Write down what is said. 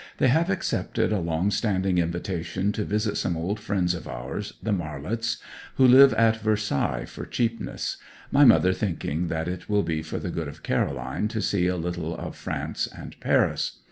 They have accepted a long standing invitation to visit some old friends of ours, the Marlets, who live at Versailles for cheapness my mother thinking that it will be for the good of Caroline to see a little of France and Paris.